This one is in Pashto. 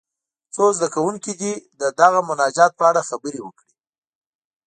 څو زده کوونکي دې د دغه مناجات په اړه خبرې وکړي.